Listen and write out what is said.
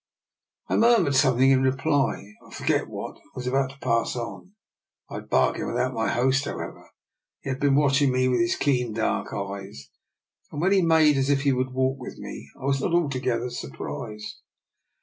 I murmured something in reply, I forget what, and was about to pass on. I had bar DR. NIKOLA'S EXPERIMENT. g gained without my host, however. He had been watching me with his keen dark eyes, and when he made as if he would walk with me I was not altogether surprised.